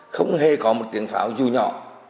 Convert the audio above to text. không hề có một tiếng pháo dù nhỏ